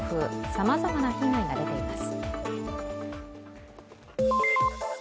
さまざまな被害が出ています。